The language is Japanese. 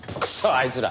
あいつら。